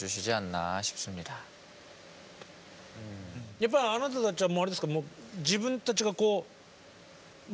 やっぱりあなたたちはあれですか？